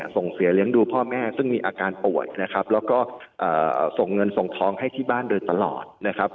ส่งเสียเลี้ยงดูพ่อแม่ซึ่งมีอาการป่วยนะครับแล้วก็ส่งเงินส่งท้องให้ที่บ้านโดยตลอดนะครับ